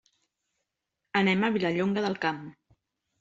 Anem a Vilallonga del Camp.